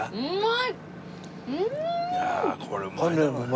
いやあこれうまいだろうな。